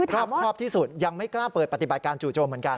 รอบครอบที่สุดยังไม่กล้าเปิดปฏิบัติการจู่โจมเหมือนกัน